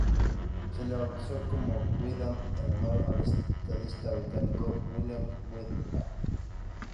Se le bautizó como "Windham" en honor al estadista británico William Windham.